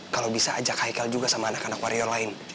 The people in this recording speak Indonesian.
kalau bisa ajak haikal juga sama anak anak warior lain